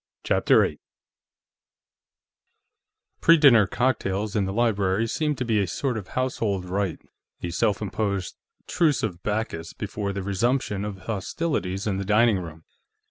CHAPTER 8 Pre dinner cocktails in the library seemed to be a sort of household rite a self imposed Truce of Bacchus before the resumption of hostilities in the dining room.